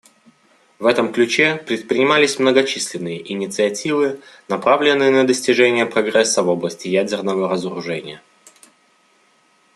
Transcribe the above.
В этом ключе предпринимались многочисленные инициативы, направленные на достижение прогресса в области ядерного разоружения.